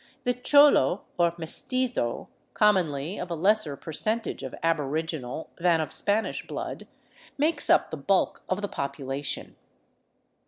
The cholo or mestizo, commonly of a lesser percentage of aboriginal than of Spanish blood, makes up the l)ulk of the population.